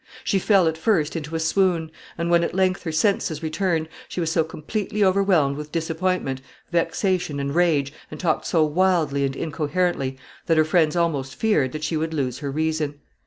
She fell at first into a swoon, and when at length her senses returned, she was so completely overwhelmed with disappointment, vexation, and rage, and talked so wildly and incoherently, that her friends almost feared that she would lose her reason.